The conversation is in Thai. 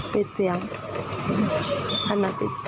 พูดมาได้หรอ